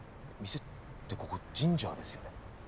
店ってここ神社ですよね。